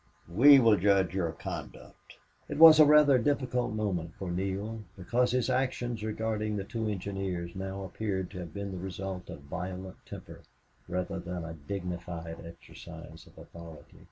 "We will judge your conduct." It was a rather difficult moment for Neale, because his actions regarding the two engineers now appeared to have been the result of violent temper, rather than a dignified exercise of authority.